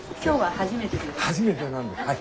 初めてなんですはい。